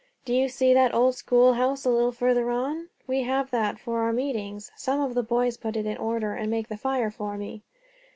"Do you see that old schoolhouse, a little further on? We have that for our meetings. Some of the boys put it in order and make the fire for me."